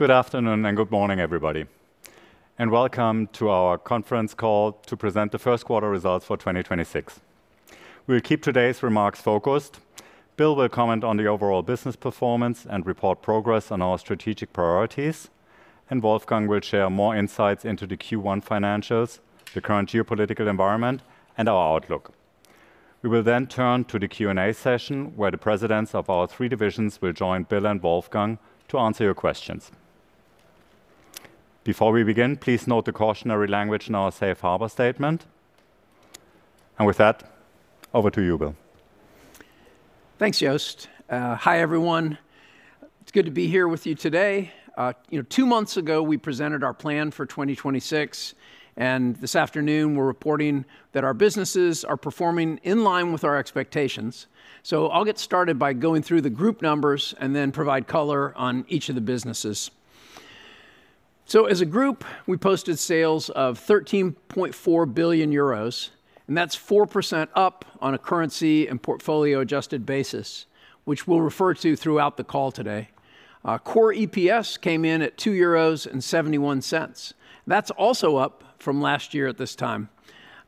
Good afternoon and good morning, everybody, welcome to our conference call to present the first quarter results for 2026. We'll keep today's remarks focused. Bill will comment on the overall business performance and report progress on our strategic priorities, and Wolfgang will share more insights into the Q1 financials, the current geopolitical environment, and our outlook. We will then turn to the Q&A session, where the presidents of our three Divisions will join Bill and Wolfgang to answer your questions. Before we begin, please note the cautionary language in our safe harbor statement. With that, over to you, Bill. Thanks, Jost. Hi, everyone. It's good to be here with you today. You know, two months ago, we presented our plan for 2026, and this afternoon we're reporting that our businesses are performing in line with our expectations. I'll get started by going through the group numbers and then provide color on each of the businesses. As a group, we posted sales of 13.4 billion euros, and that's 4% up on a currency and portfolio adjusted basis, which we'll refer to throughout the call today. Our core EPS came in at 2.71 euros. That's also up from last year at this time.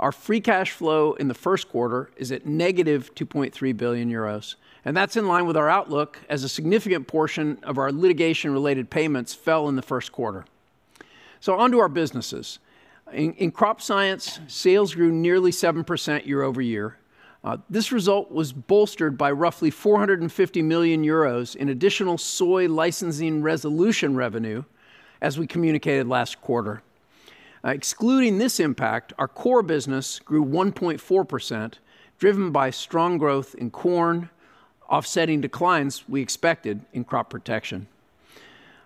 Our free cash flow in the first quarter is at negative 2.3 billion euros, and that's in line with our outlook as a significant portion of our litigation related payments fell in the first quarter. Onto our businesses. In Crop Science, sales grew nearly 7% year-over-year. This result was bolstered by roughly 450 million euros in additional soy licensing resolution revenue, as we communicated last quarter. Excluding this impact, our core business grew 1.4%, driven by strong growth in corn, offsetting declines we expected in crop protection.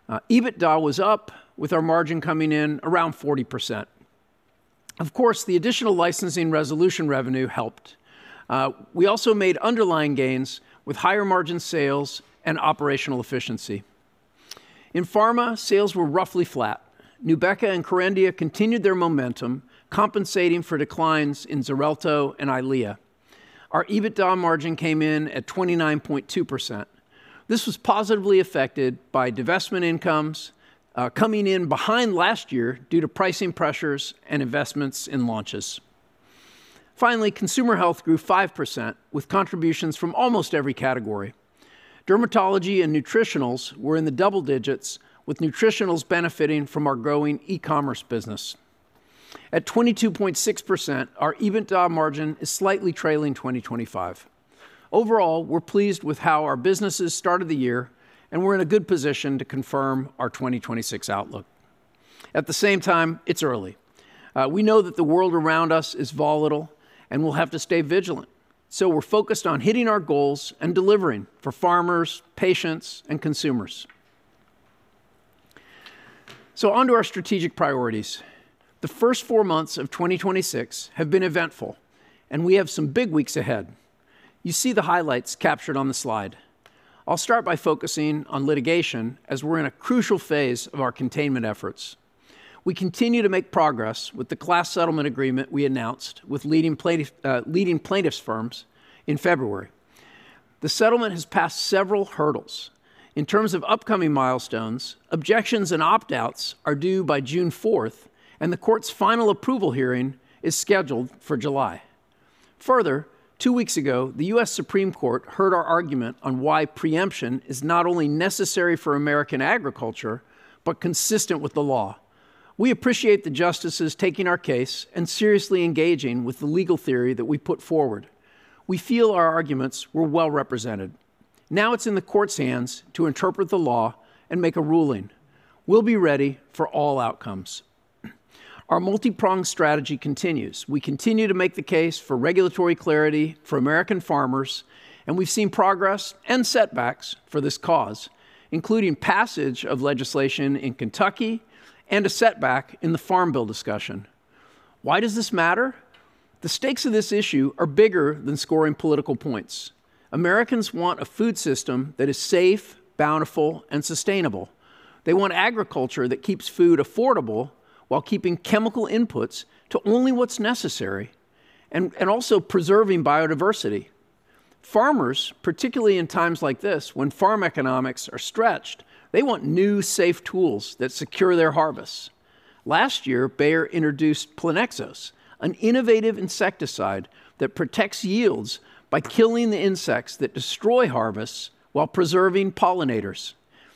EBITDA was up with our margin coming in around 40%. Of course, the additional licensing resolution revenue helped. We also made underlying gains with higher margin sales and operational efficiency. In pharma, sales were roughly flat. NUBEQA and KERENDIA continued their momentum, compensating for declines in Xarelto and EYLEA. Our EBITDA margin came in at 29.2%. This was positively affected by divestment incomes, coming in behind last year due to pricing pressures and investments in launches. Finally, Consumer Health grew 5% with contributions from almost every category. Dermatology and Nutritionals were in the double digits, with Nutritionals benefiting from our growing e-commerce business. At 22.6%, our EBITDA margin is slightly trailing 2025. Overall, we're pleased with how our businesses started the year, and we're in a good position to confirm our 2026 outlook. At the same time, it's early. We know that the world around us is volatile, and we'll have to stay vigilant. We're focused on hitting our goals and delivering for farmers, patients, and consumers. Onto our strategic priorities. The first four months of 2026 have been eventful, and we have some big weeks ahead. You see the highlights captured on the slide. I'll start by focusing on litigation as we're in a crucial phase of our containment efforts. We continue to make progress with the class settlement agreement we announced with leading plaintiffs firms in February. The settlement has passed several hurdles. In terms of upcoming milestones, objections and opt-outs are due by June 4, and the court's final approval hearing is scheduled for July. Further two weeks ago, the U.S. Supreme Court heard our argument on why preemption is not only necessary for American agriculture, but consistent with the law. We appreciate the justices taking our case and seriously engaging with the legal theory that we put forward. We feel our arguments were well represented. It's in the court's hands to interpret the law and make a ruling. We'll be ready for all outcomes. Our multi-pronged strategy continues. We continue to make the case for regulatory clarity for American farmers, and we've seen progress and setbacks for this cause, including passage of legislation in Kentucky and a setback in the farm bill discussion. Why does this matter? The stakes of this issue are bigger than scoring political points. Americans want a food system that is safe, bountiful, and sustainable. They want agriculture that keeps food affordable while keeping chemical inputs to only what's necessary and also preserving biodiversity. Farmers, particularly in times like this when farm economics are stretched, they want new, safe tools that secure their harvests. Last year, Bayer introduced Plenexos, an innovative insecticide that protects yields by killing the insects that destroy harvests while preserving pollinators.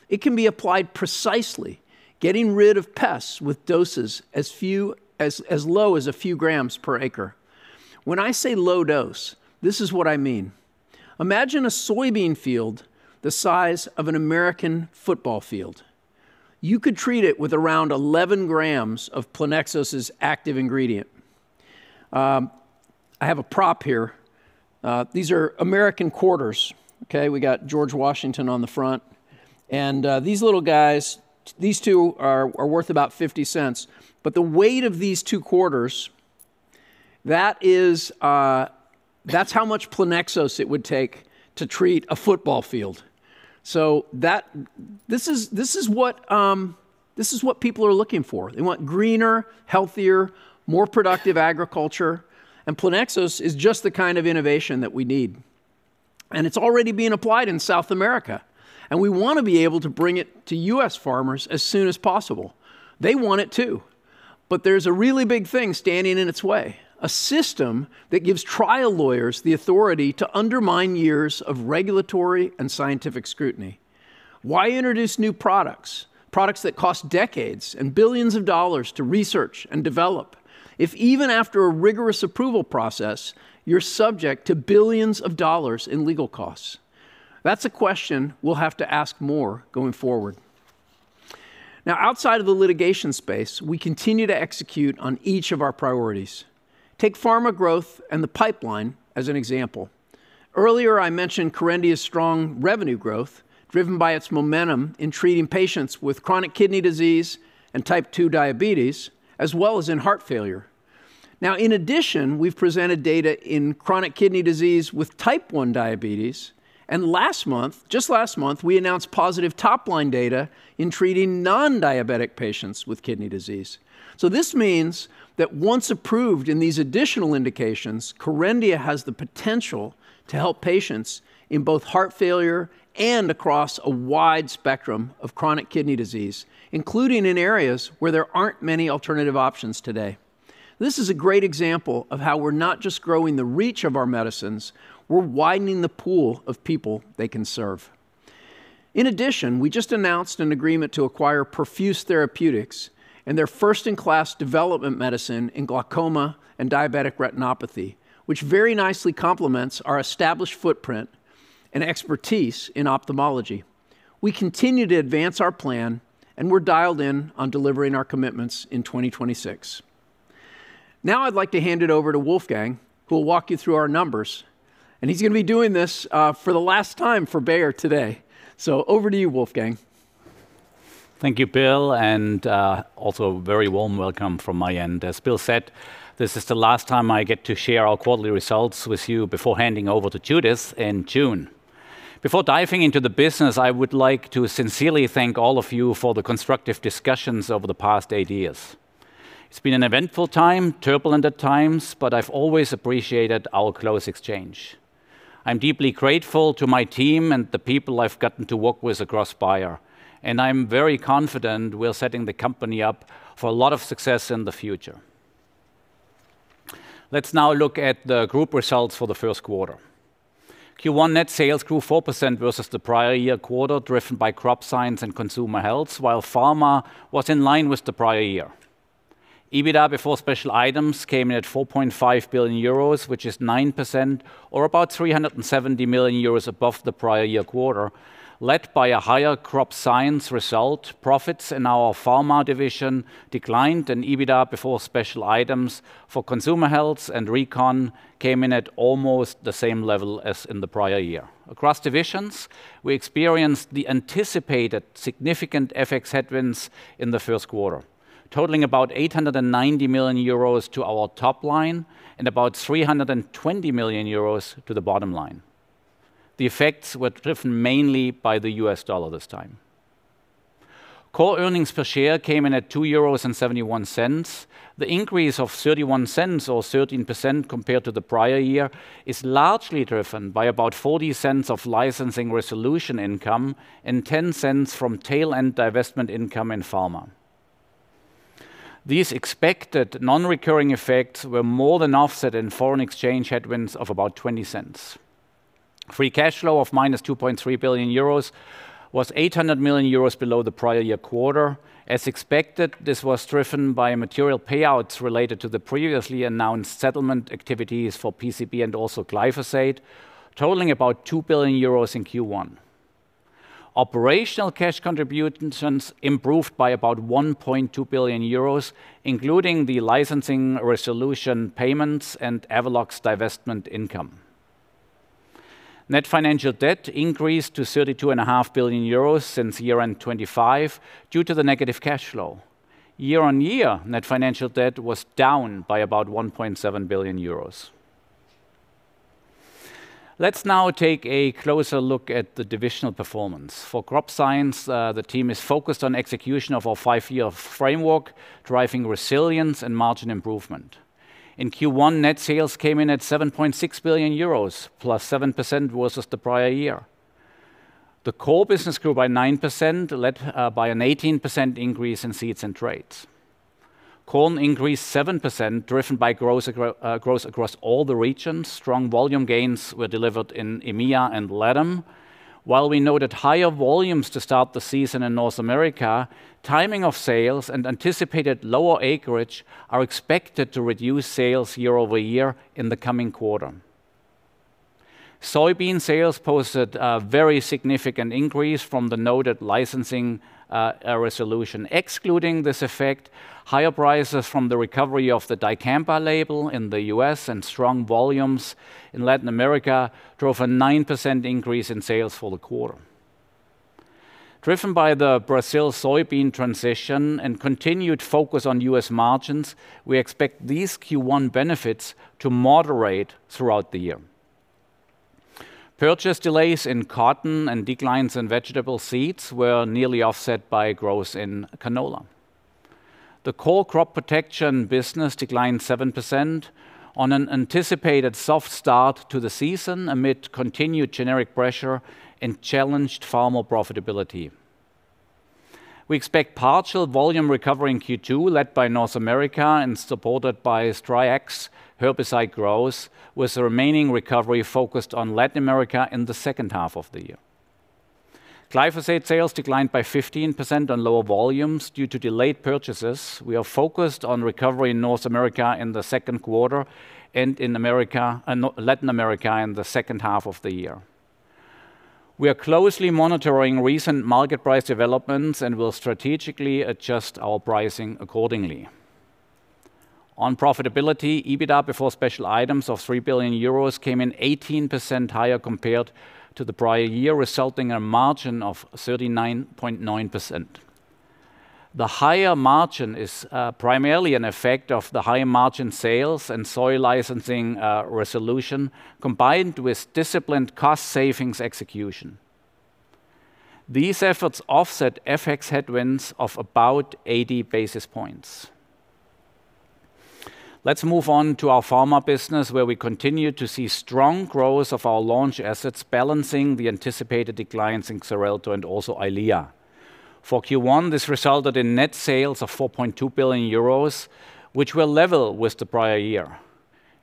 It can be applied precisely, getting rid of pests with doses as low as a few grams per acre. When I say low dose, this is what I mean. Imagine a soybean field the size of a U.S. football field. You could treat it with around 11 grams of Plenexos' active ingredient. I have a prop here. These are American quarters. Okay? We got George Washington on the front. These little guys, these two are worth about $0.50. The weight of these two quarters, that is how much Plenexos it would take to treat a football field. This is what people are looking for. They want greener, healthier, more productive agriculture, and Plenexos is just the kind of innovation that we need. It's already being applied in South America, and we want to be able to bring it to U.S. farmers as soon as possible. They want it too, but there's a really big thing standing in its way, a system that gives trial lawyers the authority to undermine years of regulatory and scientific scrutiny. Why introduce new products that cost decades and EUR billions to research and develop, if even after a rigorous approval process, you're subject to EUR billions in legal costs? That's a question we'll have to ask more going forward. Now, outside of the litigation space, we continue to execute on each of our priorities. Take pharma growth and the pipeline as an example. Earlier I mentioned KERENDIA's strong revenue growth driven by its momentum in treating patients with chronic kidney disease and type 2 diabetes, as well as in heart failure. In addition, we've presented data in chronic kidney disease with type 1 diabetes, and last month, just last month, we announced positive top-line data in treating non-diabetic patients with kidney disease. This means that once approved in these additional indications, KERENDIA has the potential to help patients in both heart failure and across a wide spectrum of chronic kidney disease, including in areas where there aren't many alternative options today. This is a great example of how we're not just growing the reach of our medicines, we're widening the pool of people they can serve. We just announced an agreement to acquire Perfuse Therapeutics and their first-in-class development medicine in glaucoma and diabetic retinopathy, which very nicely complements our established footprint and expertise in ophthalmology. We continue to advance our plan, and we're dialed in on delivering our commitments in 2026. Now I'd like to hand it over to Wolfgang, who will walk you through our numbers. He's going to be doing this for the last time for Bayer today. Over to you, Wolfgang. Thank you, Bill. Also a very warm welcome from my end. As Bill said, this is the last time I get to share our quarterly results with you before handing over to Judith in June. Before diving into the business, I would like to sincerely thank all of you for the constructive discussions over the past eight years. It's been an eventful time, turbulent at times, but I've always appreciated our close exchange. I'm deeply grateful to my team and the people I've gotten to work with across Bayer, and I'm very confident we're setting the company up for a lot of success in the future. Let's now look at the group results for the first quarter. Q1 net sales grew 4% versus the prior-year quarter, driven by Crop Science and Consumer Health, while Pharma was in line with the prior year. EBITDA before special items came in at 4.5 billion euros, which is 9% or about 370 million euros above the prior-year quarter, led by a higher Crop Science result. Profits in our Pharma division declined, and EBITDA before special items for Consumer Health and Recon came in at almost the same level as in the prior year. Across divisions, we experienced the anticipated significant FX headwinds in the first quarter, totaling about 890 million euros to our top line and about 320 million euros to the bottom line. The effects were driven mainly by the U.S. dollar this time. core earnings per share came in at 2.71 euros. The increase of 0.31 or 13% compared to the prior year is largely driven by about 0.40 of licensing resolution income and 0.10 from tail end divestment income in Pharmaceuticals. These expected non-recurring effects were more than offset in foreign exchange headwinds of about 0.20. Free cash flow of -2.3 billion euros was 800 million euros below the prior-year quarter. As expected, this was driven by material payouts related to the previously announced settlement activities for PCB and also glyphosate, totaling about 2 billion euros in Q1. Operational cash contributions improved by about 1.2 billion euros, including the licensing resolution payments and Avelox divestment income. Net financial debt increased to 32.5 billion euros since year-end 2025 due to the negative cash flow. Year-on-year, net financial debt was down by about 1.7 billion euros. Let's now take a closer look at the divisional performance. For Crop Science, the team is focused on execution of our five-year framework, driving resilience and margin improvement. In Q1, net sales came in at 7.6 billion euros, plus 7% versus the prior year. The core business grew by 9%, led by an 18% increase in seeds and traits. Corn increased 7%, driven by gross growth across all the regions. Strong volume gains were delivered in EMEA and LATAM. While we noted higher volumes to start the season in North America, timing of sales and anticipated lower acreage are expected to reduce sales year-over-year in the coming quarter. Soybean sales posted a very significant increase from the noted licensing resolution. Excluding this effect, higher prices from the recovery of the dicamba label in the U.S. and strong volumes in Latin America drove a 9% increase in sales for the quarter. Driven by the Brazil soybean transition and continued focus on U.S. margins, we expect these Q1 benefits to moderate throughout the year. Purchase delays in cotton and declines in vegetable seeds were nearly offset by growth in canola. The core Crop Science business declined 7% on an anticipated soft start to the season amid continued generic pressure and challenged farmer profitability. We expect partial volume recovery in Q2 led by North America and supported by Stryax herbicide growth, with the remaining recovery focused on Latin America in the second half of the year. glyphosate sales declined by 15% on lower volumes due to delayed purchases. We are focused on recovery in North America in the second quarter and in Latin America in the second half of the year. We are closely monitoring recent market price developments and will strategically adjust our pricing accordingly. On profitability, EBITDA before special items of 3 billion euros came in 18% higher compared to the prior year, resulting in a margin of 39.9%. The higher margin is primarily an effect of the higher margin sales and soy licensing resolution combined with disciplined cost savings execution. These efforts offset FX headwinds of about 80 basis points. Let's move on to our Pharmaceuticals business, where we continue to see strong growth of our launch assets balancing the anticipated declines in Xarelto and also EYLEA. For Q1, this resulted in net sales of 4.2 billion euros, which were level with the prior year.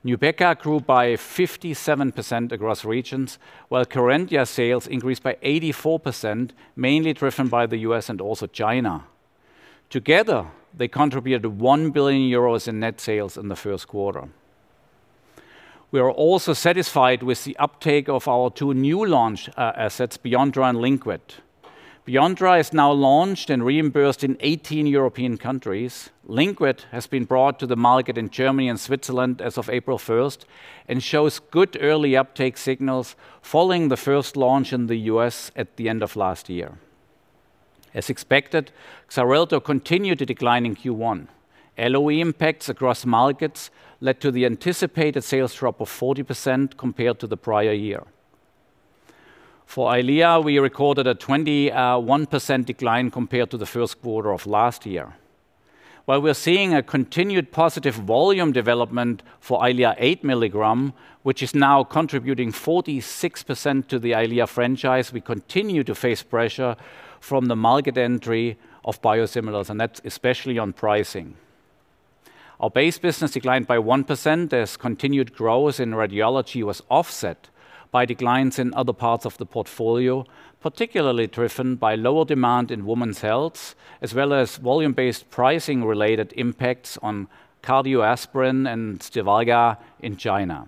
NUBEQA grew by 57% across regions, while KERENDIA sales increased by 84%, mainly driven by the U.S. and also China. Together, they contributed 1 billion euros in net sales in the first quarter. We are also satisfied with the uptake of our two new launch assets, Beyonttra and Lynkuet. Beyonttra is now launched and reimbursed in 18 European countries. Lynkuet has been brought to the market in Germany and Switzerland as of April 1st and shows good early uptake signals following the first launch in the U.S. at the end of last year. As expected, Xarelto continued to decline in Q1. LOE impacts across markets led to the anticipated sales drop of 40% compared to the prior year. For EYLEA, we recorded a 21% decline compared to the first quarter of last year. While we're seeing a continued positive volume development for EYLEA eight milligram, which is now contributing 46% to the EYLEA franchise, we continue to face pressure from the market entry of biosimilars, and that's especially on pricing. Our base business declined by 1% as continued growth in radiology was offset by declines in other parts of the portfolio, particularly driven by lower demand in women's health as well as volume-based pricing-related impacts on Cardioaspirin and STIVARGA in China.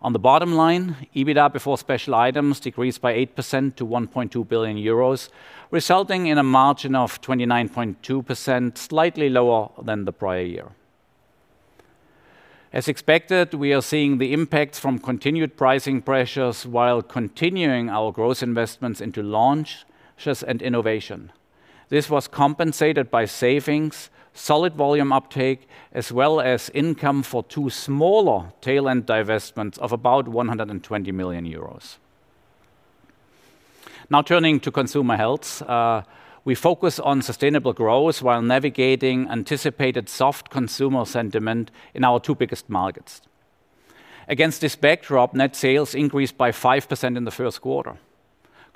On the bottom line, EBITDA before special items decreased by 8% to 1.2 billion euros, resulting in a margin of 29.2%, slightly lower than the prior year. As expected, we are seeing the impacts from continued pricing pressures while continuing our growth investments into launches and innovation. This was compensated by savings, solid volume uptake, as well as income for two smaller tail end divestments of about 120 million euros. Now turning to Consumer Health. We focus on sustainable growth while navigating anticipated soft consumer sentiment in our two biggest markets. Against this backdrop, net sales increased by 5% in the first quarter.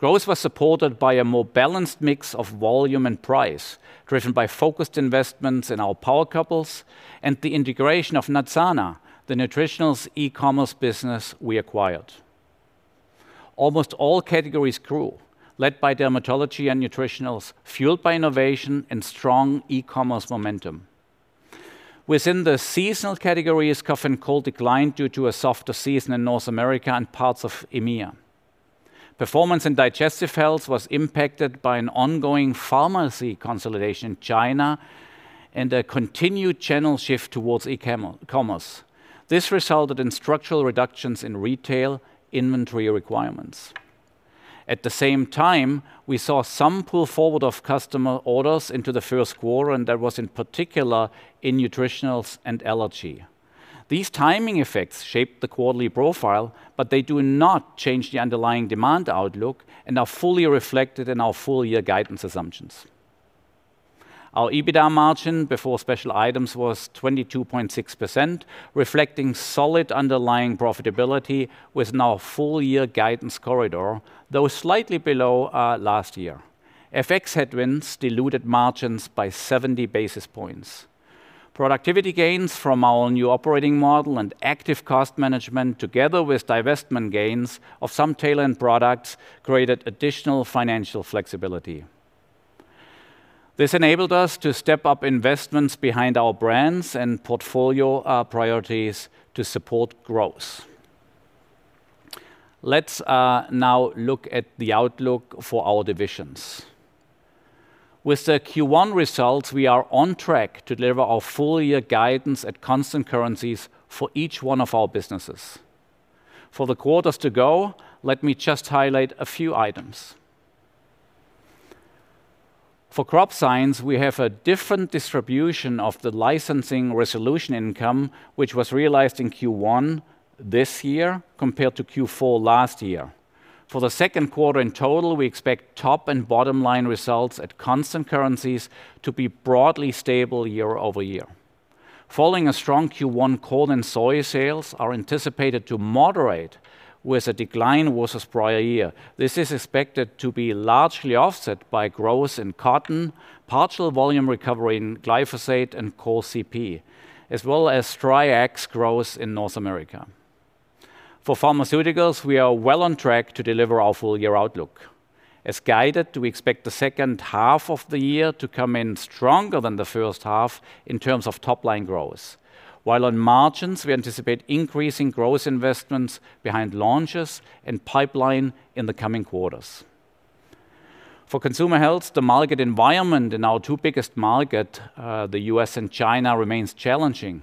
Growth was supported by a more balanced mix of volume and price, driven by focused investments in our power couples and the integration of Nuzena, the nutritionals e-commerce business we acquired. Almost all categories grew, led by dermatology and nutritionals, fueled by innovation and strong e-commerce momentum. Within the seasonal categories, cough and cold declined due to a softer season in North America and parts of EMEA. Performance in digestive health was impacted by an ongoing pharmacy consolidation in China and a continued channel shift towards e-commerce. This resulted in structural reductions in retail inventory requirements. At the same time, we saw some pull forward of customer orders into the first quarter, and that was in particular in Nutritionals and Allergy. These timing effects shaped the quarterly profile, but they do not change the underlying demand outlook and are fully reflected in our full year guidance assumptions. Our EBITDA margin before special items was 22.6%, reflecting solid underlying profitability with now full year guidance corridor, though slightly below last year. FX headwinds diluted margins by 70 basis points. Productivity gains from our new operating model and active cost management, together with divestment gains of some tail end products, created additional financial flexibility. This enabled us to step up investments behind our brands and portfolio priorities to support growth. Let's now look at the outlook for our divisions. With the Q1 results, we are on track to deliver our full year guidance at constant currencies for each one of our businesses. For the quarters to go, let me just highlight a few items. For Crop Science, we have a different distribution of the licensing resolution income, which was realized in Q1 this year compared to Q4 last year. For the 2nd quarter in total, we expect top and bottom line results at constant currencies to be broadly stable year-over-year. Following a strong Q1, corn and soy sales are anticipated to moderate with a decline versus prior year. This is expected to be largely offset by growth in cotton, partial volume recovery in glyphosate and Crop Science, as well as Stryax growth in North America. For Pharmaceuticals, we are well on track to deliver our full year outlook. As guided, we expect the second half of the year to come in stronger than the first half in terms of top line growth. While on margins, we anticipate increasing growth investments behind launches and pipeline in the coming quarters. For Consumer Health, the market environment in our two biggest market, the U.S. and China, remains challenging.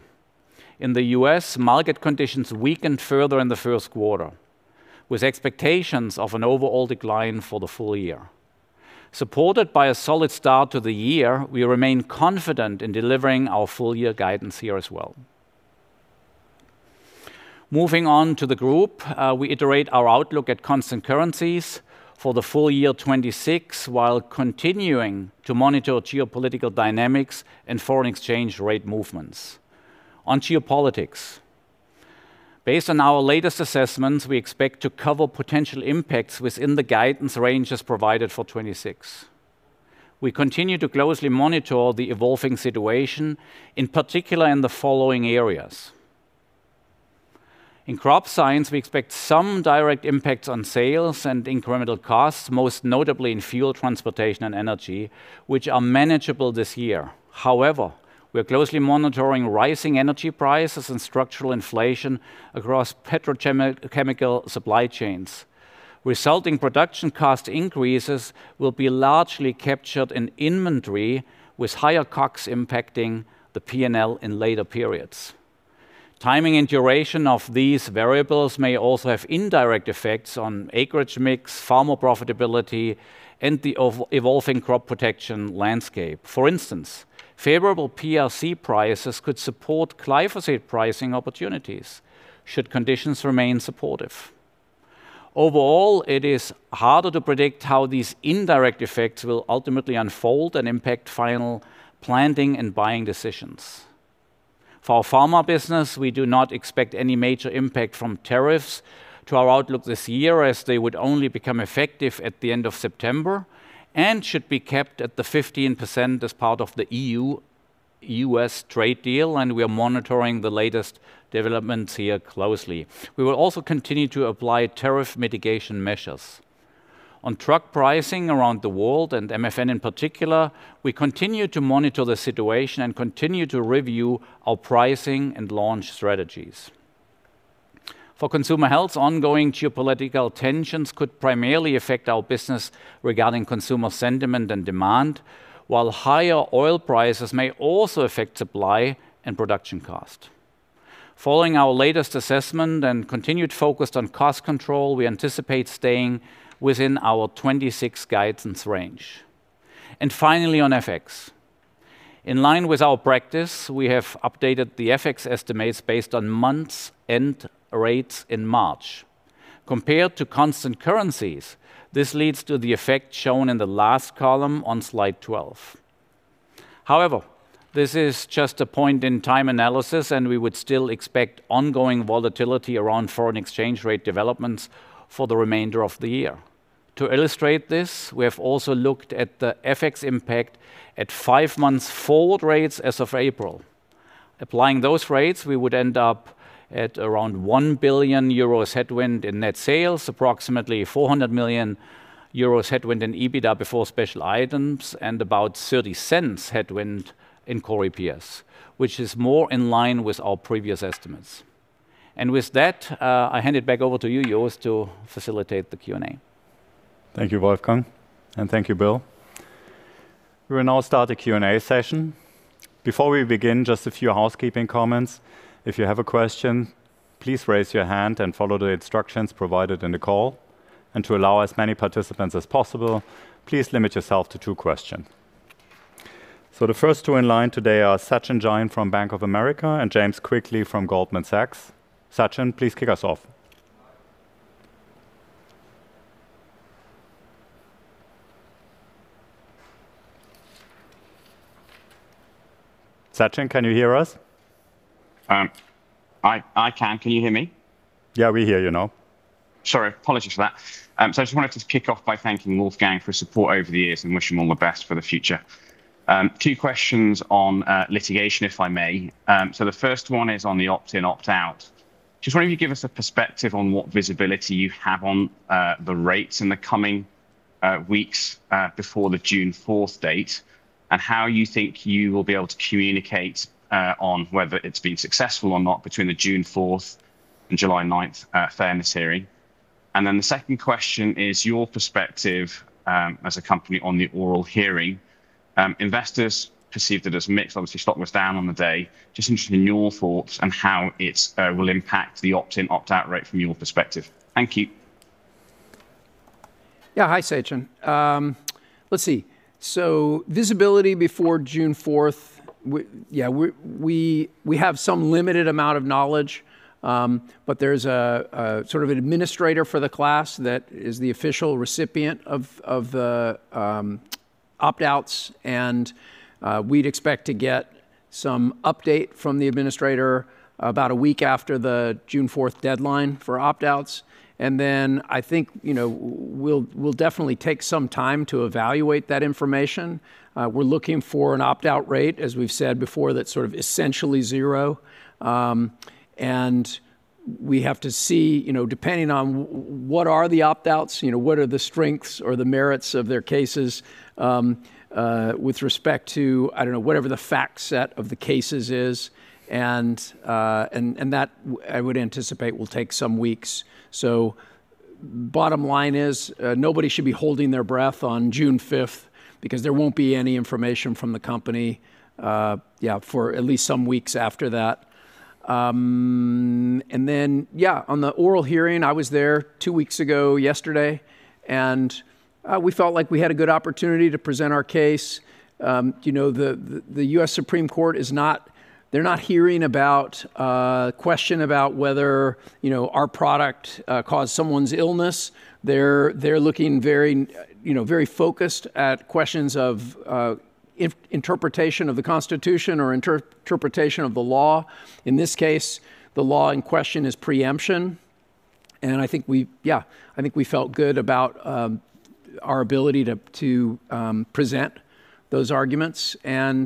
In the U.S., market conditions weakened further in the first quarter with expectations of an overall decline for the full year. Supported by a solid start to the year, we remain confident in delivering our full year guidance here as well. Moving on to the group, we iterate our outlook at constant currencies for the full year 2026 while continuing to monitor geopolitical dynamics and foreign exchange rate movements. On geopolitics, based on our latest assessments, we expect to cover potential impacts within the guidance ranges provided for 2026. We continue to closely monitor the evolving situation, in particular in the following areas. In Crop Science, we expect some direct impacts on sales and incremental costs, most notably in fuel transportation and energy, which are manageable this year. We are closely monitoring rising energy prices and structural inflation across petrochemical supply chains. Resulting production cost increases will be largely captured in inventory with higher COGS impacting the P&L in later periods. Timing and duration of these variables may also have indirect effects on acreage mix, farmer profitability, and the evolving crop protection landscape. For instance, favorable PRC prices could support glyphosate pricing opportunities should conditions remain supportive. Overall, it is harder to predict how these indirect effects will ultimately unfold and impact final planting and buying decisions. For our pharma business, we do not expect any major impact from tariffs to our outlook this year, as they would only become effective at the end of September and should be kept at the 15% as part of the EU-US trade deal, and we are monitoring the latest developments here closely. We will also continue to apply tariff mitigation measures. On drug pricing around the world, and MFN in particular, we continue to monitor the situation and continue to review our pricing and launch strategies. For Consumer Health, ongoing geopolitical tensions could primarily affect our business regarding consumer sentiment and demand, while higher oil prices may also affect supply and production cost. Following our latest assessment and continued focus on cost control, we anticipate staying within our 2026 guidance range. Finally, on FX. In line with our practice, we have updated the FX estimates based on month-end rates in March. Compared to constant currencies, this leads to the effect shown in the last column on slide 12. This is just a point in time analysis, and we would still expect ongoing volatility around foreign exchange rate developments for the remainder of the year. To illustrate this, we have also looked at the FX impact at five months forward rates as of April. Applying those rates, we would end up at around 1 billion euros headwind in net sales, approximately 400 million euros headwind in EBITDA before special items, and about 0.30 headwind in core EPS, which is more in line with our previous estimates. With that, I hand it back over to you, Jost, to facilitate the Q&A. Thank you, Wolfgang, and thank you, Bill. We will now start the Q&A session. Before we begin, just a few housekeeping comments. If you have a question, please raise your hand and follow the instructions provided in the call. To allow as many participants as possible, please limit yourself to two question. The first two in line today are Sachin Jain from Bank of America and James Quigley from Goldman Sachs. Sachin, please kick us off. Sachin, can you hear us? I can. Can you hear me? Yeah, we hear you now. Sorry. Apologies for that. I just wanted to kick off by thanking Wolfgang for his support over the years and wish him all the best for the future. Two questions on litigation, if I may. The first one is on the opt-in/opt-out. Just wondering if you could give us a perspective on what visibility you have on the rates in the coming weeks before the June 4 date, and how you think you will be able to communicate on whether it's been successful or not between the June 4 and July 9 fairness hearing. The second question is your perspective as a company on the oral hearing. Investors perceived it as mixed. Obviously, stock was down on the day. Just interested in your thoughts and how it will impact the opt-in/opt-out rate from your perspective. Thank you. Hi, Sachin. Let's see. Visibility before June 4th, we have some limited amount of knowledge, but there's a sort of an administrator for the class that is the official recipient of the opt-outs, and we'd expect to get some update from the administrator about 1 week after the June 4th deadline for opt-outs. I think, you know, we'll definitely take some time to evaluate that information. We're looking for an opt-out rate, as we've said before, that's sort of essentially zero. We have to see, you know, depending on what are the opt-outs, you know, what are the strengths or the merits of their cases, with respect to, I don't know, whatever the fact set of the cases is and that I would anticipate will take some weeks. Bottom line is, nobody should be holding their breath on June fifth because there won't be any information from the company for at least some weeks after that. Then, on the oral hearing, I was there two weeks ago yesterday, and we felt like we had a good opportunity to present our case. You know, the U.S. Supreme Court, they're not hearing about a question about whether, you know, our product caused someone's illness. They're looking very, you know, very focused at questions of interpretation of the Constitution or interpretation of the law. In this case, the law in question is preemption. I think we felt good about our ability to present those arguments. I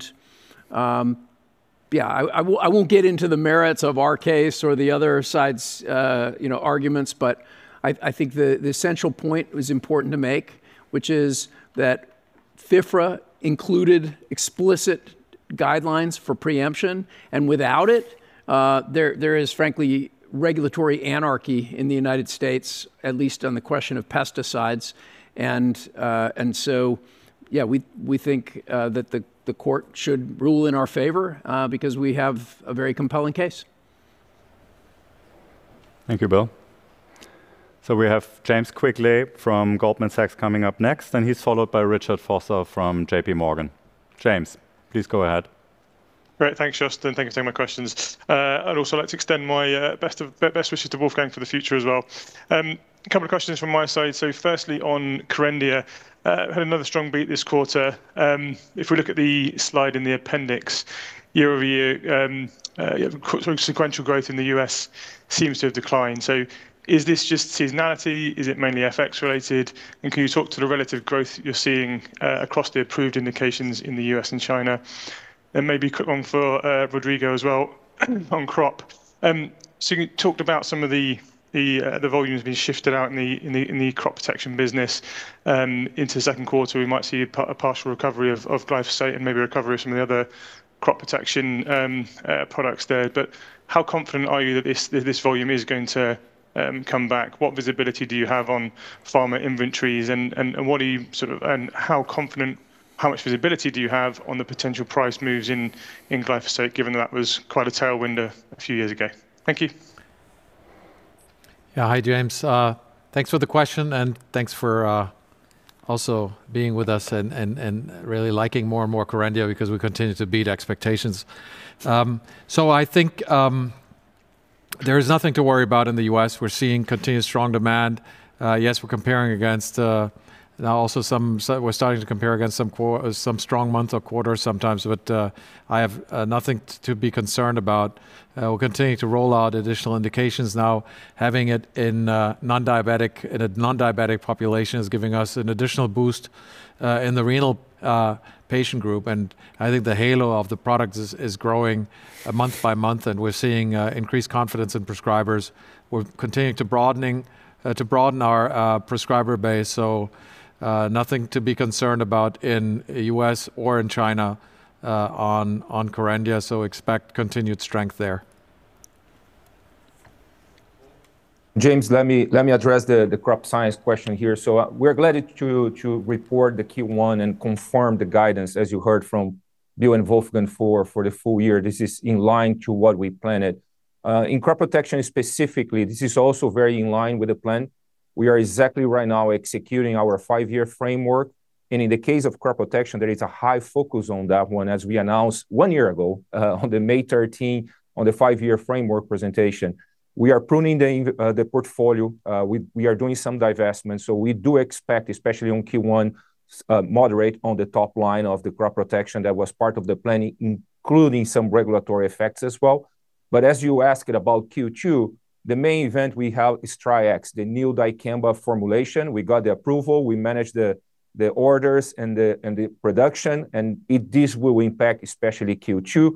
won't get into the merits of our case or the other side's, you know, arguments, but I think the essential point it was important to make, which is that FIFRA included explicit guidelines for preemption, and without it, there is frankly regulatory anarchy in the U.S., at least on the question of pesticides. We think that the court should rule in our favor because we have a very compelling case. Thank you, Bill. We have James Quigley from Goldman Sachs coming up next, and he's followed by Richard Vosser from J.P. Morgan. James, please go ahead. Great. Thanks, Jost. Thank you for taking my questions. I'd also like to extend my best of best wishes to Wolfgang for the future as well. A couple of questions from my side. Firstly, on KERENDIA, had another strong beat this quarter. If we look at the slide in the appendix year-over-year, you have sort of sequential growth in the U.S. seems to have declined. Is this just seasonality? Is it mainly FX related? Can you talk to the relative growth you're seeing across the approved indications in the U.S. and China? Maybe quick one for Rodrigo as well on crop. You talked about some of the volumes being shifted out in the crop protection business into the second quarter. We might see a partial recovery of glyphosate and maybe recovery of some of the other crop protection products there. How confident are you that this volume is going to come back? What visibility do you have on farmer inventories and how confident, how much visibility do you have on the potential price moves in glyphosate, given that was quite a tailwind a few years ago? Thank you. Hi, James. Thanks for the question, and thanks for also being with us and really liking more and more KERENDIA because we continue to beat expectations. I think there is nothing to worry about in the U.S. We're seeing continued strong demand. Yes, we're comparing against now also we're starting to compare against some strong months or quarters sometimes, I have nothing to be concerned about. We're continuing to roll out additional indications now. Having it in non-diabetic, in a non-diabetic population is giving us an additional boost in the renal patient group. I think the halo of the product is growing month by month, and we're seeing increased confidence in prescribers. We're continuing to broaden our prescriber base. Nothing to be concerned about in U.S. or in China on KERENDIA. Expect continued strength there. James, let me address the Crop Science question here. We're glad to report the Q1 and confirm the guidance, as you heard from Bill and Wolfgang, for the full year. This is in line to what we planned. In crop protection specifically, this is also very in line with the plan. We are exactly right now executing our five-year framework. In the case of crop protection, there is a high focus on that one, as we announced one year ago on the May 13 on the five-year framework presentation. We are pruning the portfolio. We are doing some divestment. We do expect, especially on Q1, moderate on the top line of the crop protection that was part of the planning, including some regulatory effects as well. As you asked about Q2, the main event we have is TriEx, the new dicamba formulation. We got the approval. We managed the orders and the production, and this will impact especially Q2.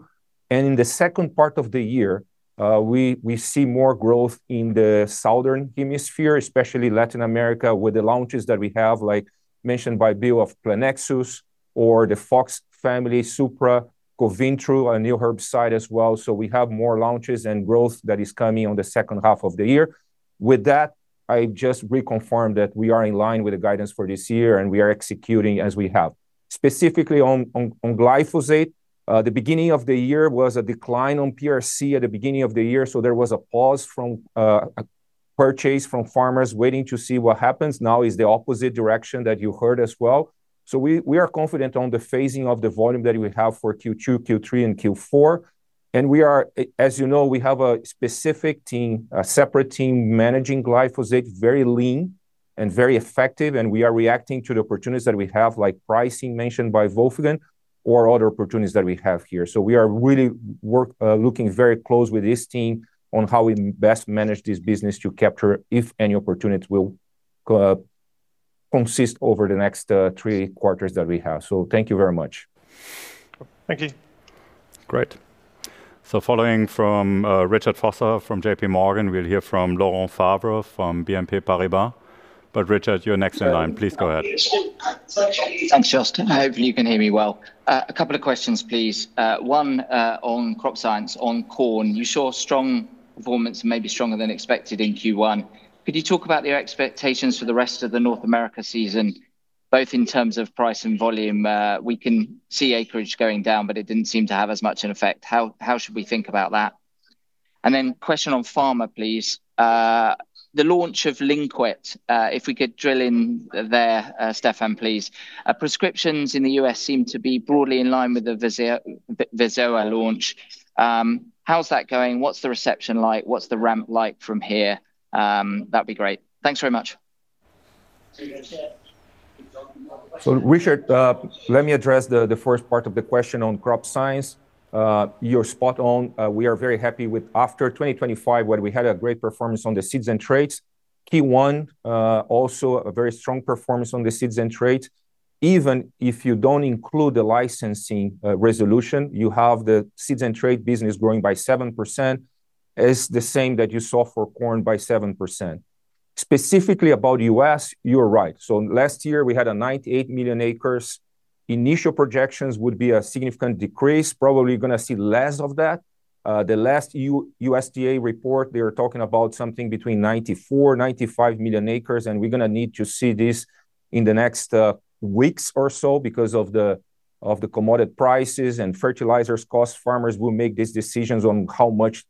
In the second part of the year, we see more growth in the southern hemisphere, especially Latin America, with the launches that we have, like mentioned by Bill of Plenexos or the Fox family, Supra, Convintro, a new herbicide as well. We have more launches and growth that is coming on the second half of the year. With that, I just reconfirm that we are in line with the guidance for this year, and we are executing as we have. Specifically on glyphosate, the beginning of the year was a decline on PRC at the beginning of the year, there was a pause from a purchase from farmers waiting to see what happens. Now is the opposite direction that you heard as well. We are confident on the phasing of the volume that we have for Q2, Q3 and Q4. We are as you know, we have a specific team, a separate team managing glyphosate, very lean and very effective, and we are reacting to the opportunities that we have, like pricing mentioned by Wolfgang, or other opportunities that we have here. We are really looking very close with this team on how we best manage this business to capture if any opportunities will consist over the next three quarters that we have. Thank you very much. Thank you. Great. Following from Richard Vosser from J.P. Morgan, we'll hear from Laurent Favre from BNP Paribas. Richard, you're next in line. Please go ahead. Thanks, Jost. I hope you can hear me well. A couple of questions, please. One, on Crop Science on corn. You saw strong performance, maybe stronger than expected in Q1. Could you talk about your expectations for the rest of the North America season, both in terms of price and volume? We can see acreage going down, but it didn't seem to have as much an effect. How should we think about that? Question on Pharma, please. The launch of Lynkuet, Stefan, please. Prescriptions in the U.S. seem to be broadly in line with the Viso launch. How's that going? What's the reception like? What's the ramp like from here? That'd be great. Thanks very much. Richard, let me address the first part of the question on Crop Science. You're spot on. We are very happy with after 2025 where we had a great performance on the seeds and trades. Q1, also a very strong performance on the seeds and trades. Even if you don't include the licensing resolution, you have the seeds and trade business growing by 7%. It's the same that you saw for corn by 7%. Specifically about U.S., you are right. Last year we had 98 million acres. Initial projections would be a significant decrease, probably gonna see less of that. The last USDA report, they are talking about something between 94, 95 million acres, and we're going to need to see this in the next weeks or so because of the commodity prices and fertilizers costs. Farmers will make these decisions on how much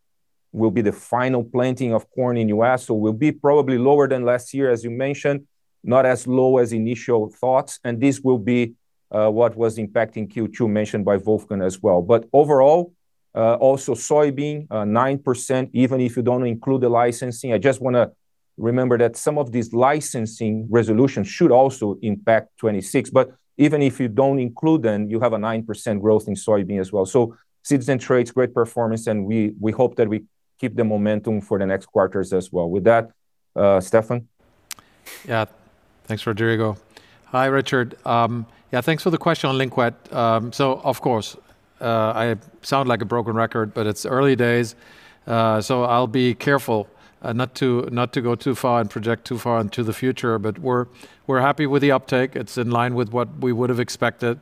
will be the final planting of corn in the U.S. We will be probably lower than last year, as you mentioned, not as low as initial thoughts, and this will be what was impacting Q2 mentioned by Wolfgang as well. Overall, also soybean, 9%, even if you don't include the licensing. I just want to remember that some of these licensing resolutions should also impact 2026. Even if you don't include them, you have a 9% growth in soybean as well. Seeds and trades, great performance, and we hope that we keep the momentum for the next quarters as well. With that, Stefan? Thanks, Rodrigo. Hi, Richard. Thanks for the question on Lynkuet. Of course, I sound like a broken record, but it's early days, so I'll be careful not to go too far and project too far into the future. We're happy with the uptake. It's in line with what we would have expected.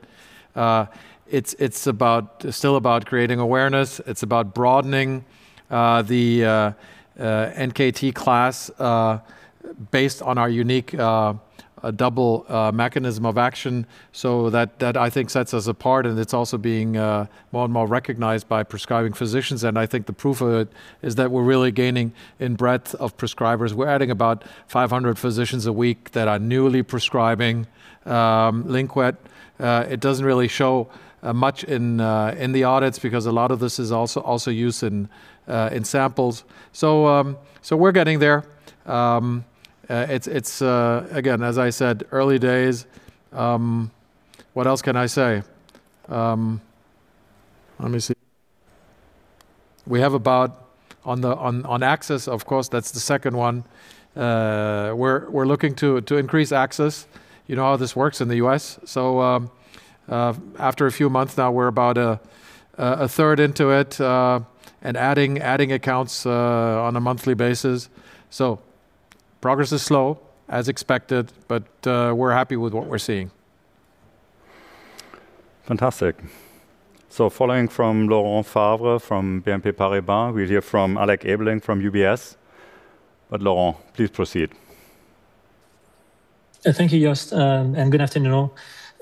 It's still about creating awareness. It's about broadening the NKT cells based on our unique double mechanism of action. That I think sets us apart, and it's also being more and more recognized by prescribing physicians. I think the proof of it is that we're really gaining in breadth of prescribers. We're adding about 500 physicians a week that are newly prescribing Lynkuet. It doesn't really show much in the audits because a lot of this is also used in samples. We're getting there. Again, as I said, early days. What else can I say? Let me see. We have about on access, of course, that's the second one. We're looking to increase access. You know how this works in the U.S. After a few months now, we're about 1/3 into it and adding accounts on a monthly basis. Progress is slow as expected, but we're happy with what we're seeing. Fantastic. Following from Laurent Favre from BNP Paribas, we'll hear from Alec Ebeling from UBS. Laurent, please proceed. Thank you, Jost, good afternoon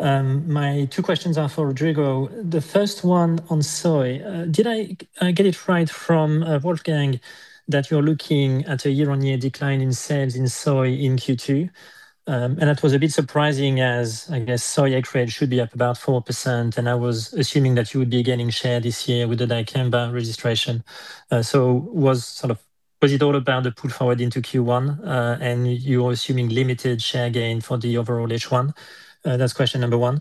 all. My two questions are for Rodrigo. The first one on soy. Did I get it right from Wolfgang that you're looking at a year-on-year decline in sales in soy in Q2? That was a bit surprising as I guess soy acreage should be up about 4%, and I was assuming that you would be gaining share this year with the dicamba registration. Was it all about the pull forward into Q1, and you're assuming limited share gain for the overall H1? That's question number one.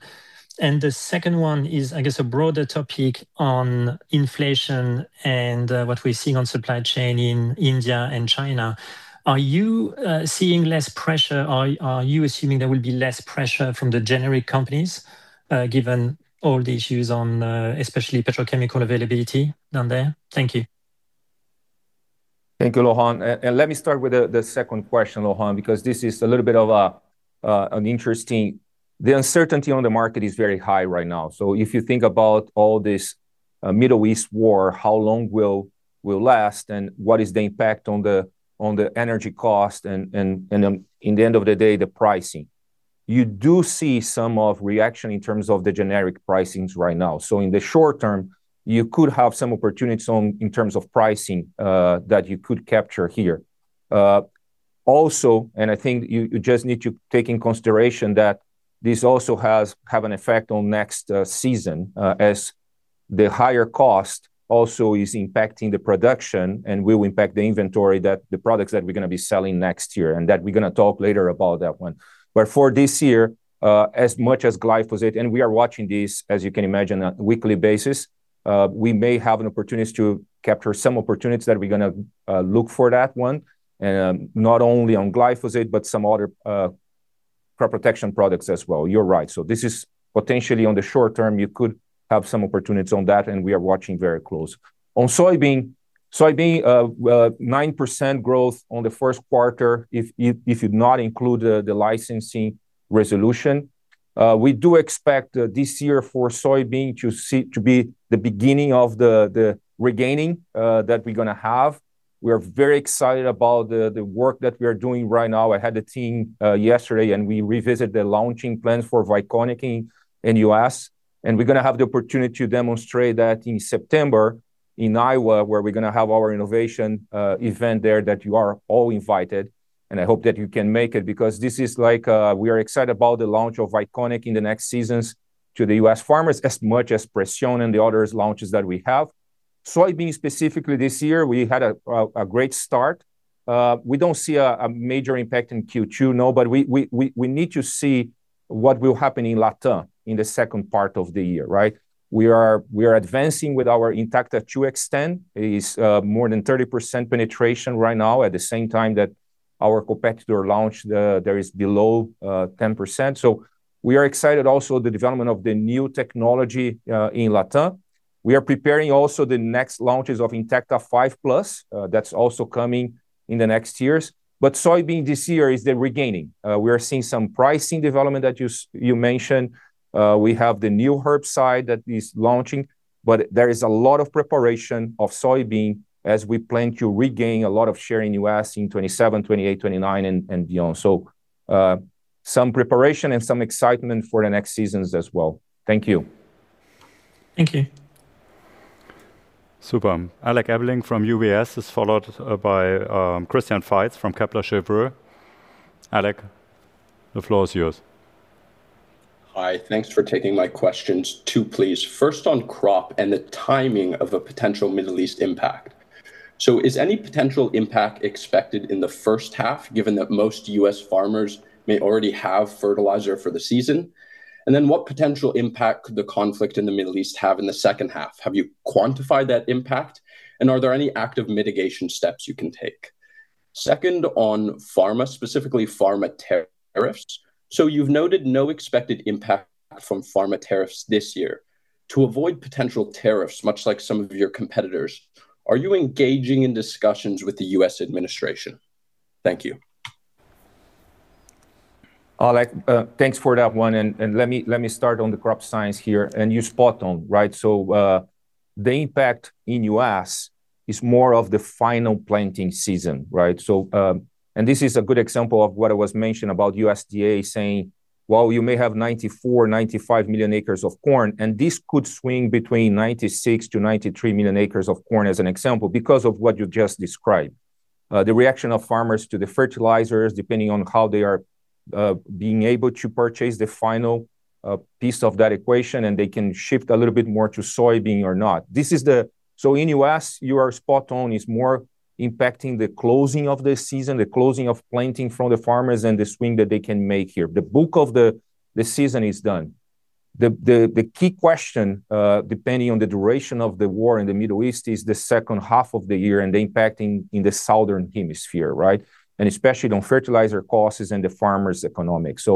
The second one is, I guess, a broader topic on inflation and what we're seeing on supply chain in India and China. Are you seeing less pressure? Are you assuming there will be less pressure from the generic companies, given all the issues on especially petrochemical availability down there? Thank you. Thank you, Laurent. Let me start with the second question, Laurent, because this is a little bit of a, an the uncertainty on the market is very high right now. If you think about the Middle East war, how long will last and what is the impact on the energy cost and in the end of the day, the pricing. You do see some of reaction in terms of the generic pricings right now. In the short term, you could have some opportunities in terms of pricing that you could capture here. Also, I think you just need to take in consideration that this also has, have an effect on next season, as the higher cost also is impacting the production and will impact the inventory that the products that we're gonna be selling next year, and that we're gonna talk later about that one. For this year, as much as glyphosate, and we are watching this, as you can imagine, on a weekly basis, we may have an opportunity to capture some opportunities that we're gonna look for that one. Not only on glyphosate, but some other crop protection products as well. You're right. This is potentially on the short term you could have some opportunities on that, and we are watching very close. On soybean, 9% growth on the first quarter if you not include the licensing resolution. We do expect this year for soybean to be the beginning of the regaining that we're gonna have. We're very excited about the work that we are doing right now. I had the team yesterday and we revisit the launching plans for Vyconic in U.S., and we're gonna have the opportunity to demonstrate that in September in Iowa, where we're gonna have our innovation event there that you are all invited, and I hope that you can make it because this is like, we are excited about the launch of Vyconic in the next seasons to the U.S. farmers as much as Preceon and the others launches that we have. Soybean specifically this year, we had a great start. We don't see a major impact in Q2, no, but we need to see what will happen in LATAM in the second part of the year, right? We are advancing with our Intacta 2 Xtend. It is more than 30% penetration right now at the same time that our competitor launched, there is below 10%. We are excited also the development of the new technology in LATAM. We are preparing also the next launches of Intacta 5+. That's also coming in the next years. Soybean this year is the regaining. We are seeing some pricing development that you mentioned. We have the new herbicide that is launching. There is a lot of preparation of soybean as we plan to regain a lot of share in U.S. in 2027, 2028, 2029 and beyond. Some preparation and some excitement for the next seasons as well. Thank you. Thank you. Superb. Alec Ebeling from UBS is followed by Christian Faitz from Kepler Cheuvreux. Alec, the floor is yours. Hi. Thanks for taking my questions. Two, please. First on crop and the timing of a potential Middle East impact. Is any potential impact expected in the first half, given that most U.S. farmers may already have fertilizer for the season? What potential impact could the conflict in the Middle East have in the second half? Have you quantified that impact, and are there any active mitigation steps you can take? Second, on pharma, specifically pharma tariffs. You've noted no expected impact from pharma tariffs this year. To avoid potential tariffs, much like some of your competitors, are you engaging in discussions with the U.S. administration? Thank you. Alec, thanks for that one, and let me start on the Crop Science here, and you're spot on, right? The impact in U.S. is more of the final planting season, right? This is a good example of what it was mentioned about USDA saying, "Well, you may have 94, 95 million acres of corn," and this could swing between 96 million to 93 million acres of corn as an example because of what you just described. The reaction of farmers to the fertilizers, depending on how they are being able to purchase the final piece of that equation, they can shift a little bit more to soybean or not. This is the so in U.S., you are spot on. It's more impacting the closing of the season, the closing of planting from the farmers and the swing that they can make here. The bulk of the season is done. The key question, depending on the duration of the war in the Middle East is the second half of the year and the impact in the southern hemisphere, right? Especially on fertilizer costs and the farmers' economics.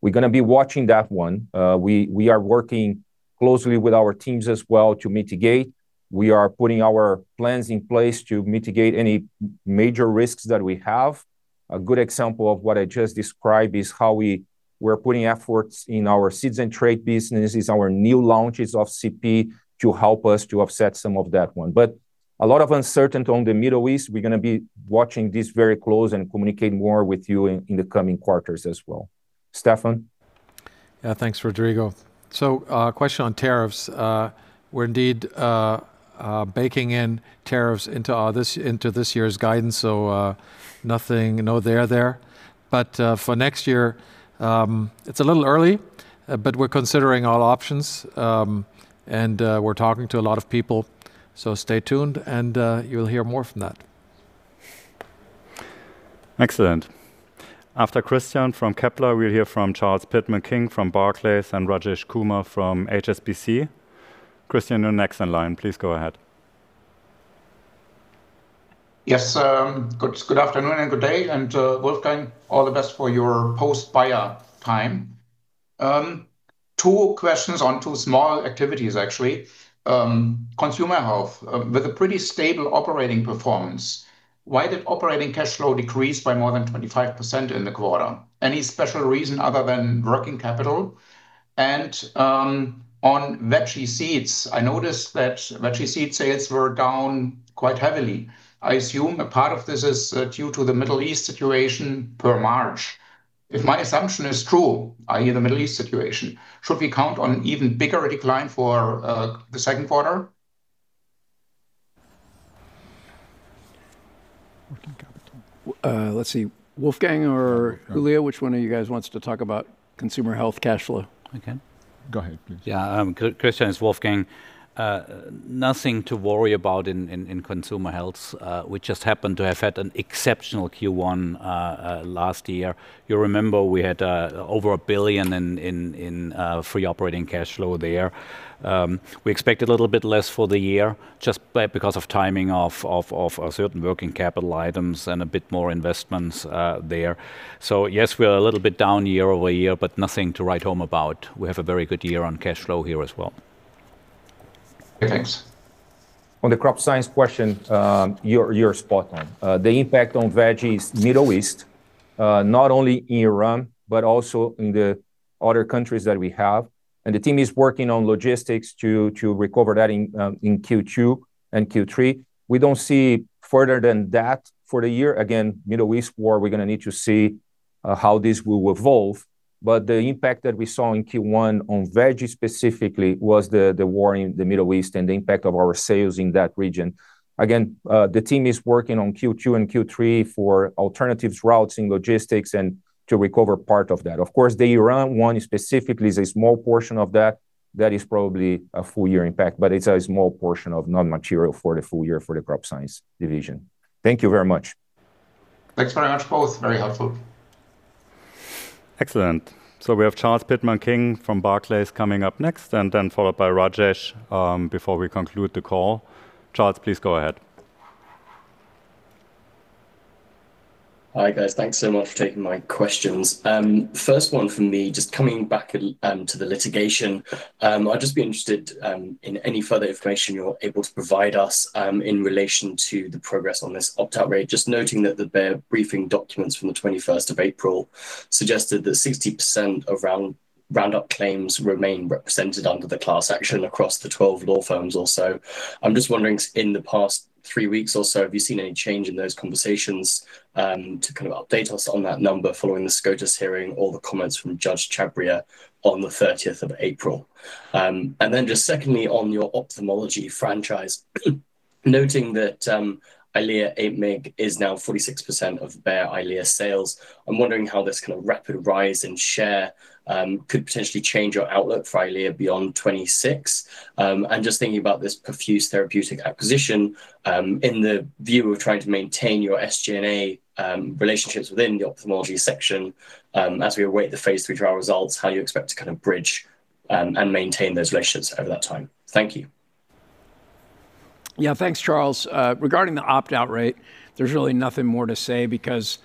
We're gonna be watching that one. We are working closely with our teams as well to mitigate. We are putting our plans in place to mitigate any major risks that we have. A good example of what I just described is how we're putting efforts in our seeds and trade business, is our new launches of CP to help us to offset some of that one. A lot of uncertainty on the Middle East. We're gonna be watching this very close and communicating more with you in the coming quarters as well. Stefan? Yeah, thanks, Rodrigo. Question on tariffs. We're indeed baking in tariffs into this, into this year's guidance, nothing, no there there. For next year, it's a little early, but we're considering all options. We're talking to a lot of people. Stay tuned and you'll hear more from that. Excellent. After Christian from Kepler, we'll hear from Charles Pitman-King from Barclays and Rajesh Kumar from HSBC. Christian, you're next in line. Please go ahead. Yes, good afternoon and good day, Wolfgang, all the best for your post-Bayer time. Two questions on two small activities, actually. Consumer Health, with a pretty stable operating performance. Why did operating cash flow decrease by more than 25% in the quarter? Any special reason other than working capital? On veggie seeds, I noticed that veggie seed sales were down quite heavily. I assume a part of this is due to the Middle East situation per March. If my assumption is true, i.e., the Middle East situation, should we count on an even bigger decline for the second quarter? Working capital. Let's see. Wolfgang or Julio, which one of you guys wants to talk about Consumer Health cash flow? I can. Go ahead, please. Yeah, Christian, it's Wolfgang. Nothing to worry about in Consumer Health. We just happened to have had an exceptional Q1 last year. You remember we had over 1 billion free operating cash flow there. We expect a little bit less for the year just because of timing of certain working capital items and a bit more investments there. Yes, we are a little bit down year-over-year, but nothing to write home about. We have a very good year on cash flow here as well. Okay, thanks. On the Crop Science question, you're spot on. The impact on veggies Middle East, not only in Iran, but also in the other countries that we have. The team is working on logistics to recover that in Q2 and Q3. We don't see further than that for the year. Again, Middle East war, we're gonna need to see how this will evolve. The impact that we saw in Q1 on veggies specifically was the war in the Middle East and the impact of our sales in that region. Again, the team is working on Q2 and Q3 for alternatives routes and logistics and to recover part of that. Of course, the Iran one specifically is a small portion of that. That is probably a full year impact, but it's a small portion of non-material for the full year for the Crop Science division. Thank you very much. Thanks very much both. Very helpful. Excellent. We have Charles Pitman-King from Barclays coming up next, and then followed by Rajesh, before we conclude the call. Charles, please go ahead. Hi, guys. Thanks so much for taking my questions. First one from me, just coming back to the litigation, I'd just be interested in any further information you're able to provide us in relation to the progress on this opt-out rate. Just noting that the Bayer briefing documents from April 21st suggested that 60% of Roundup claims remain represented under the class action across the 12 law firms also. I'm just wondering, in the past three weeks or so, have you seen any change in those conversations to kind of update us on that number following the SCOTUS hearing or the comments from Judge Chhabria on April 30th? Secondly, on your ophthalmology franchise, noting that EYLEA 8 mg is now 46% of Bayer EYLEA sales. I'm wondering how this kind of rapid rise in share could potentially change your outlook for EYLEA beyond 2026. Just thinking about this Perfuse Therapeutics acquisition, in the view of trying to maintain your SG&A relationships within the ophthalmology section, as we await the phase III trial results, how you expect to kind of bridge and maintain those relationships over that time. Thank you. Yeah. Thanks, Charles. Regarding the opt-out rate, there's really nothing more to say because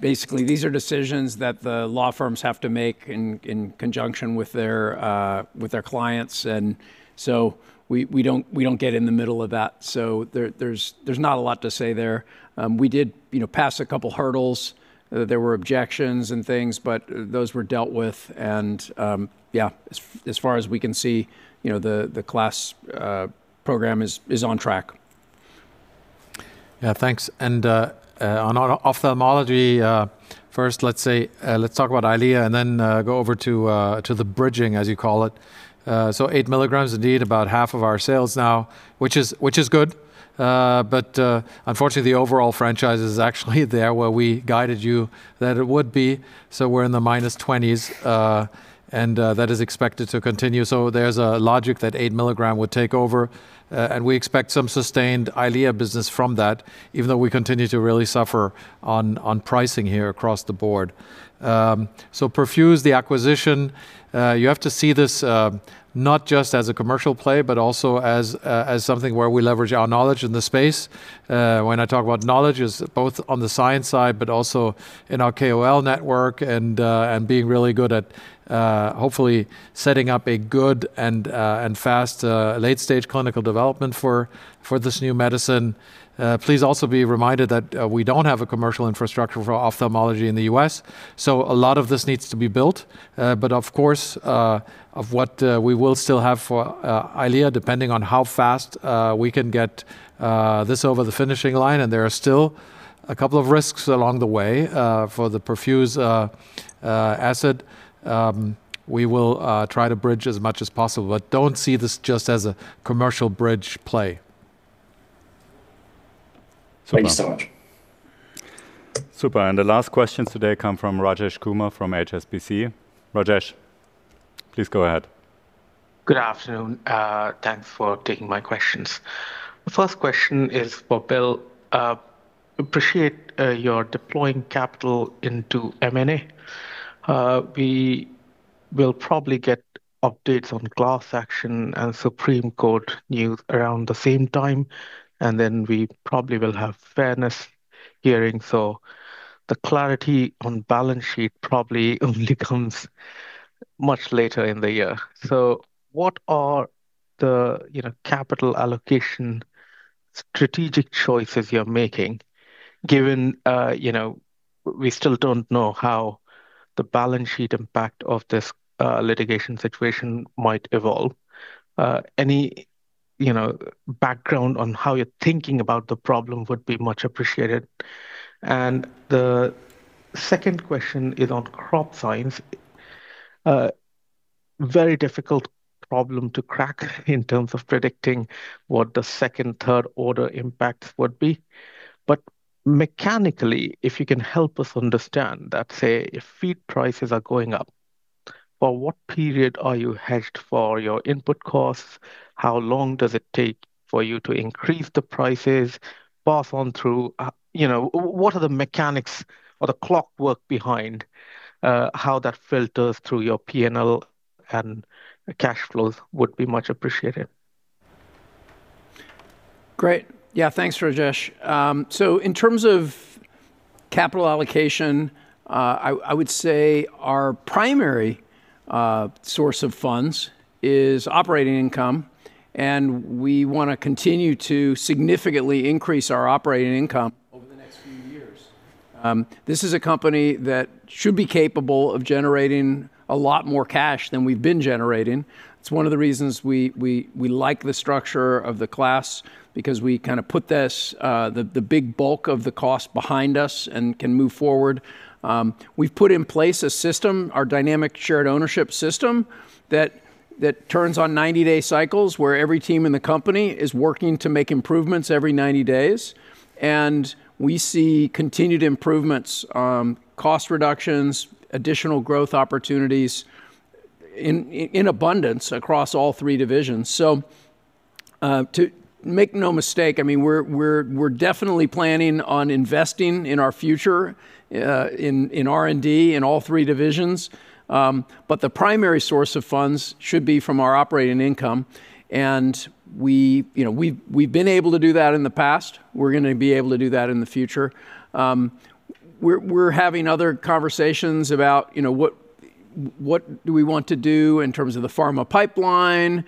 basically these are decisions that the law firms have to make in conjunction with their, with their clients. So we don't get in the middle of that. So there's not a lot to say there. We did, you know, pass a couple hurdles. There were objections and things, but those were dealt with and, yeah, as far as we can see, you know, the class program is on track. Thanks. On ophthalmology, first let's say, let's talk about EYLEA and then go over to the bridging, as you call it. 8 mg indeed about half of our sales now, which is good. Unfortunately the overall franchise is actually there where we guided you that it would be. We're in the minus 20s, that is expected to continue. There's a logic that 8 mg would take over. We expect some sustained EYLEA business from that, even though we continue to really suffer on pricing here across the board. Perfuse, the acquisition, you have to see this not just as a commercial play, but also as something where we leverage our knowledge in the space. When I talk about knowledge, it's both on the science side, but also in our KOL network and being really good at hopefully setting up a good and fast late-stage clinical development for this new medicine. Please also be reminded that we don't have a commercial infrastructure for ophthalmology in the U.S., so a lot of this needs to be built. But of course, of what we will still have for EYLEA, depending on how fast we can get this over the finishing line, and there are still a couple of risks along the way. For the Perfuse asset, we will try to bridge as much as possible. Don't see this just as a commercial bridge play. Thank you so much. Super. The last questions today come from Rajesh Kumar from HSBC. Rajesh, please go ahead. Good afternoon. Thanks for taking my questions. The first question is for Bill. I appreciate your deploying capital into M&A. We will probably get updates on class action and Supreme Court news around the same time. hearing. The clarity on balance sheet probably only comes much later in the year. What are the, you know, capital allocation strategic choices you're making given, you know, we still don't know how the balance sheet impact of this litigation situation might evolve? Any, you know, background on how you're thinking about the problem would be much appreciated. The second question is on Crop Science. Very difficult problem to crack in terms of predicting what the second, third-order impacts would be. Mechanically, if you can help us understand that, say, if feed prices are going up, for what period are you hedged for your input costs? How long does it take for you to increase the prices, pass on through, you know, what are the mechanics or the clockwork behind, how that filters through your P&L and cash flows would be much appreciated. Thanks, Rajesh. In terms of capital allocation, I would say our primary source of funds is operating income, and we wanna continue to significantly increase our operating income over the next few years. This is a company that should be capable of generating a lot more cash than we've been generating. It's one of the reasons we like the structure of the class because we kind of put this the big bulk of the cost behind us and can move forward. We've put in place a system, our Dynamic Shared Ownership system, that turns on 90-day cycles where every team in the company is working to make improvements every 90 days. We see continued improvements, cost reductions, additional growth opportunities in abundance across all three divisions. Make no mistake, I mean, we're definitely planning on investing in our future, in R&D in all three divisions. But the primary source of funds should be from our operating income, and we, you know, we've been able to do that in the past. We're gonna be able to do that in the future. We're having other conversations about, you know, what do we want to do in terms of the pharma pipeline,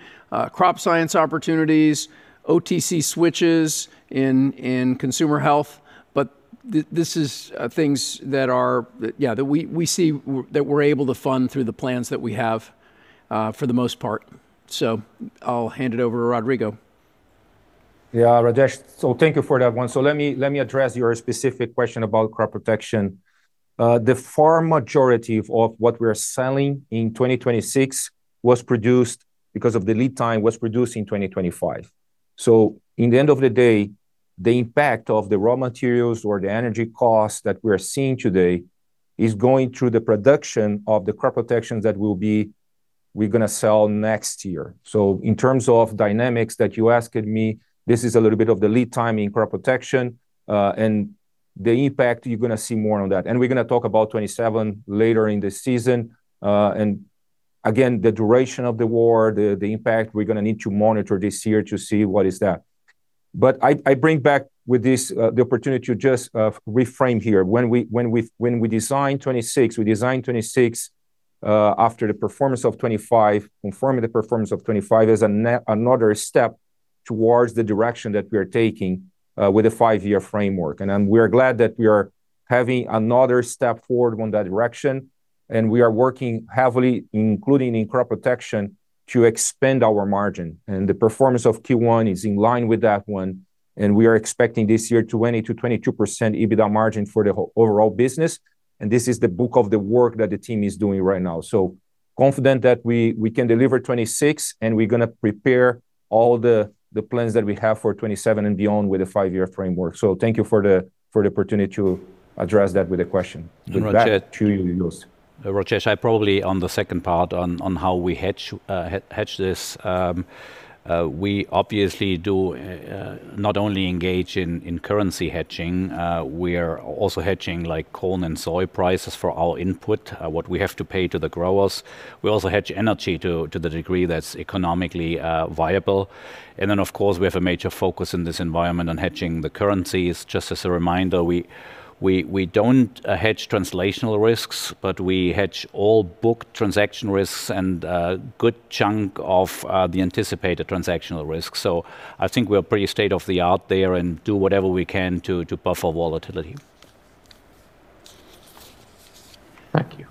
Crop Science opportunities, OTC switches in Consumer Health. But this is things that are that, yeah, that we see that we're able to fund through the plans that we have, for the most part. I'll hand it over to Rodrigo. Rajesh. Thank you for that one. Let me address your specific question about crop protection. The far majority of what we are selling in 2026, because of the lead time, was produced in 2025. In the end of the day, the impact of the raw materials or the energy costs that we are seeing today is going through the production of the crop protections that we're gonna sell next year. In terms of dynamics that you asking me, this is a little bit of the lead time in crop protection, and the impact, you're gonna see more on that. We're gonna talk about 2027 later in the season. Again, the duration of the war, the impact, we're gonna need to monitor this year to see what is that. I bring back with this the opportunity to just reframe here. When we designed 2026, after the performance of 2025, confirming the performance of 2025 as another step towards the direction that we are taking with the five-year framework. We are glad that we are having another step forward on that direction, and we are working heavily, including in crop protection, to expand our margin. The performance of Q1 is in line with that one, and we are expecting this year 20%-22% EBITDA margin for the overall business, and this is the bulk of the work that the team is doing right now. Confident that we can deliver 2026, and we're gonna prepare all the plans that we have for 2027 and beyond with a five-year framework. Thank you for the opportunity to address that with a question. Rajesh, With that, to you, Julio Rajesh, I probably on the second part on how we hedge this, we obviously do not only engage in currency hedging, we are also hedging, like, corn and soy prices for our input, what we have to pay to the growers. We also hedge energy to the degree that's economically viable. Of course, we have a major focus in this environment on hedging the currencies. Just as a reminder, we don't hedge translational risks, but we hedge all book transaction risks and a good chunk of the anticipated transactional risks. I think we are pretty state-of-the-art there and do whatever we can to buffer volatility. Thank you.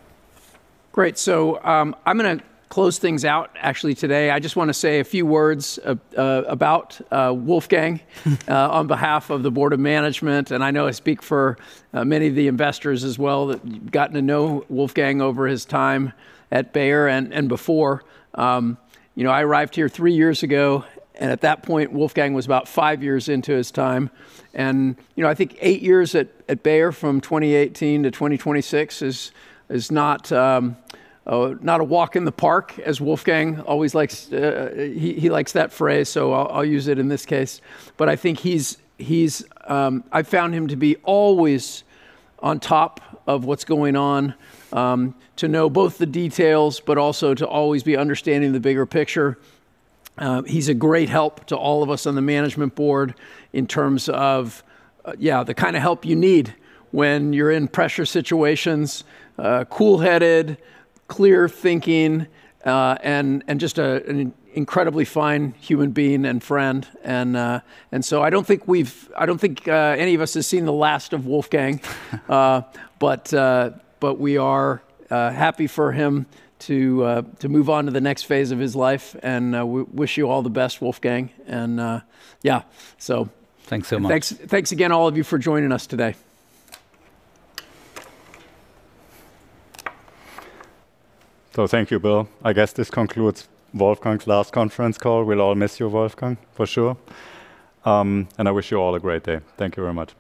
Great. I'm gonna close things out actually today. I just wanna say a few words about Wolfgang on behalf of the board of management, and I know I speak for many of the investors as well that have gotten to know Wolfgang over his time at Bayer and before. You know, I arrived here three years ago, and at that point, Wolfgang was about five years into his time. You know, I think eight years at Bayer from 2018 to 2026 is not a walk in the park, as Wolfgang always likes. He likes that phrase, so I'll use it in this case. I think he's, I've found him to be always on top of what's going on, to know both the details but also to always be understanding the bigger picture. He's a great help to all of us on the management board in terms of the kind of help you need when you're in pressure situations. Cool-headed, clear thinking, and an incredibly fine human being and friend. I don't think any of us has seen the last of Wolfgang. We are happy for him to move on to the next phase of his life. Wish you all the best, Wolfgang. Thanks so much. Thanks, thanks again, all of you, for joining us today. Thank you, Bill. I guess this concludes Wolfgang's last conference call. We'll all miss you, Wolfgang, for sure. I wish you all a great day. Thank you very much.